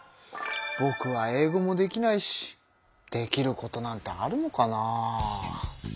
ぼくは英語もできないしできることなんてあるのかな。